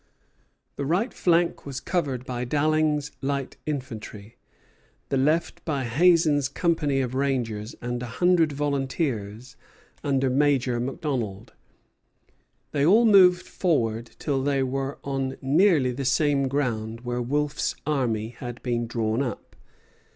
The right flank was covered by Dalling's light infantry; the left by Hazen's company of rangers and a hundred volunteers under Major MacDonald. They all moved forward till they were on nearly the same ground where Wolfe's army had been drawn up.